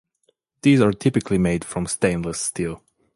These are typically made from stainless steel.